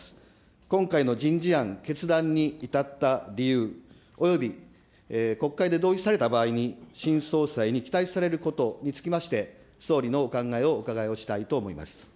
今回の人事案、決断に至った理由および国会で同意された場合に新総裁に期待されることにつきまして、総理のお考えをお伺いをしたいと思います。